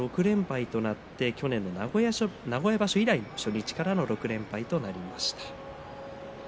天空海は６連敗となって名古屋場所以来の初日からの６連敗となりました。